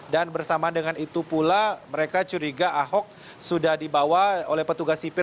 dan bersama dengan itu pula mereka curiga ahok sudah dibawa oleh petugas sipir